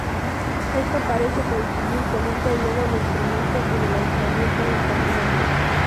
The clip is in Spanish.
Esto parece coincidir con un período de incremento en el aislamiento del continente.